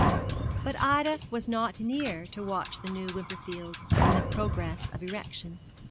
But Ida was not near to watch the new Wimperfield in the progress of erection.